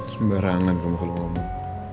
sembarangan kamu kalau ngomong